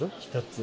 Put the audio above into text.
１つ。